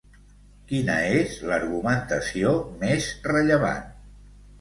Quina és l'argumentació més rellevant?